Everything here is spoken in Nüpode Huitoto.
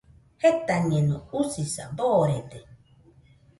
Jetañeno, usisa boorede.